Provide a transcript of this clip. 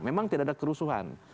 memang tidak ada kerusuhan